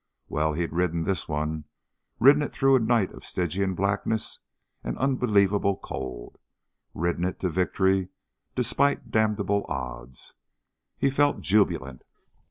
Well, he'd ridden this one ridden it through a night of Stygian blackness and unbelievable cold. Ridden it to victory despite damnable odds. He felt jubilant.